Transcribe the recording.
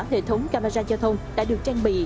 hệ thống camera giao thông đã được trang bị